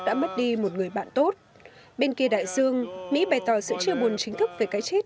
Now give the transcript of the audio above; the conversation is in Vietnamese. đã mất đi một người bạn tốt bên kia đại dương mỹ bày tỏ sự chia buồn chính thức về cái chết